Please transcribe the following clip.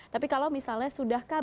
tapi kalau misalnya sudahkah